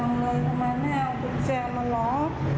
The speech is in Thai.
มันนี่เอากุญแจมาล้อมมันนี่อ่ะ